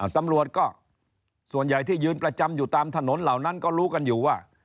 ตำรวจก็ส่วนใหญ่ที่ยืนประจำอยู่ตามถนนเหล่านั้นก็รู้กันอยู่ว่า